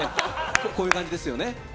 こういう感じですよね。